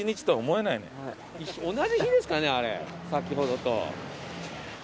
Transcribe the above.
同じ日ですからねあれ先ほどと。